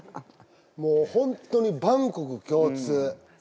もう本当に万国共通。